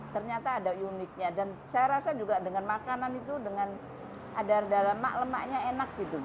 ternyata ada uniknya dan saya rasa juga dengan makanan itu dengan ada lemak lemaknya enak gitu